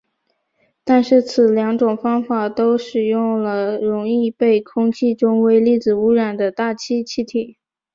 但是此两种方法都使用了容易被空气中微粒子污染的大气气体。